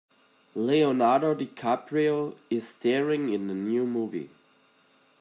Leonardo DiCaprio is staring in the new movie.